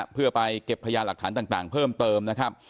เพื่อไปเก็บพยายามหลักฐานต่างเพิ่มเติม